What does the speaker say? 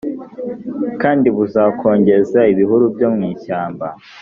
kandi buzakongeza ibihuru byo mu ishyamba